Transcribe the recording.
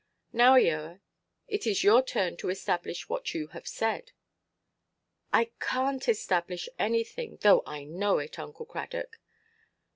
"Now, Eoa, it is your turn to establish what you have said." "I canʼt establish anything, though I know it, Uncle Cradock."